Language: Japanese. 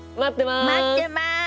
待ってます！